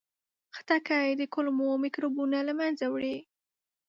خټکی د کولمو میکروبونه له منځه وړي.